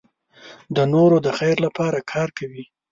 د نورو د خیر لپاره کار کوي.